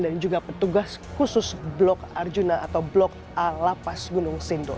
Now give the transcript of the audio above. dan juga petugas khusus blok arjuna atau blok a lapas gunung sindur